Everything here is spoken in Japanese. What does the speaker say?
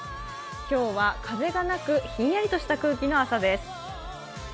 今日は風がなく、ひんやりとした朝です。